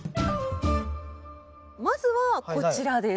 まずはこちらです。